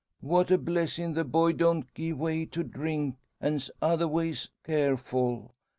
What a blessin' the boy don't gie way to drink, an's otherways careful!